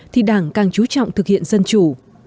thì đảng càng chú trọng thực hiện dân chủ